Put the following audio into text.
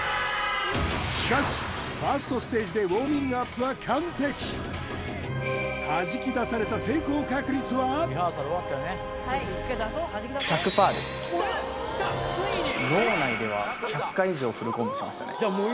しかしファーストステージでウォーミングアップは完璧はじき出された脳内では１００回以上フルコンボしましたね